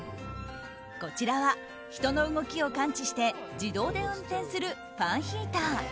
こちらは人の動きを感知して自動で運転するファンヒーター。